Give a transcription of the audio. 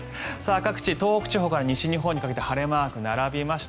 各地東北地方から西日本にかけて晴れマークが並びました。